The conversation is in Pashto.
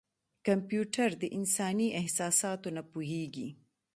کمپیوټر د انساني احساساتو نه پوهېږي.